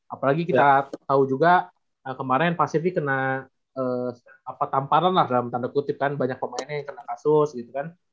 apalagi kita tahu juga kemarin pasifik kena tamparan lah dalam tanda kutip kan banyak pemainnya yang kena kasus gitu kan